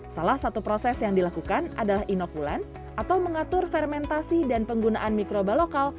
salah satu proses yang dilakukan adalah inokulen atau mengatur fermentasi dan penggunaan mikroba lokal